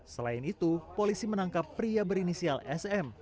selain itu polisi menangkap pria berinisial sm